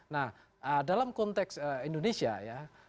nah dalam konteks indonesia ya